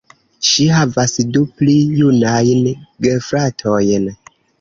Ŝi havas du pli junajn gefratojn.